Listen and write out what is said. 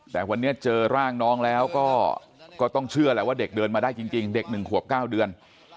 แต่วันนี้เจอร่างน้องแล้วก็ต้องเชื่อแหละว่าเด็กเดินมาได้จริงเด็ก๑ขวบ๙เดือน